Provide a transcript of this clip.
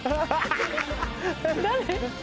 誰？